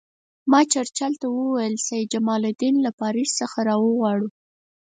ما چرچل ته وویل سید جمال الدین له پاریس څخه را وغواړو.